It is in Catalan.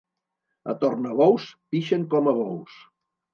A Tornabous pixen com a bous.